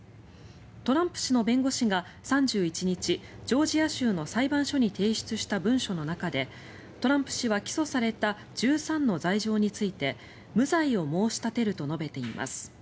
トランプ氏の弁護士が３１日ジョージア州の裁判所に提出した文書の中でトランプ氏は起訴された１３の罪状について無罪を申し立てると述べています。